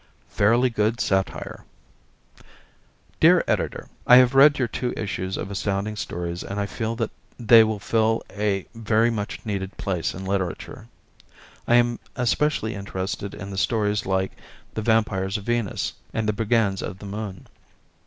"Fairly Good Satire" Dear Editor: I have read your two issues of Astounding Stories and I feel they will fill a very much needed place in literature. I am especially interested in the stories like the "Vampires of Venus" and the "Brigands of the Moon."